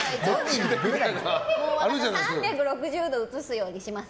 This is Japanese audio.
３６０度映すようにします。